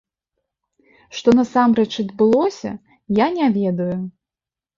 Што насамрэч адбылося, я не ведаю.